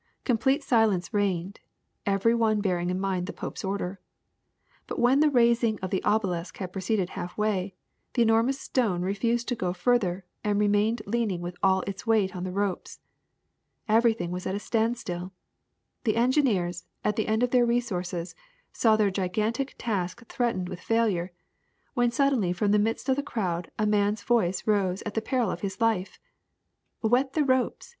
Com plete silence reigned, every one bearing in mind the pope's order. But when the raising of the obelisk had proceeded half way, the enormous stone refused to go further and remained leaning with all its weight on the ropes. Everything was at a stand still. The engineers, at the end of their resources, saw their gigantic task threatened with failure, when suddenly from the midst of the crowd a man's voice rose at the peril of his life. *Wet the ropes!'